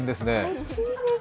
おいしいんです。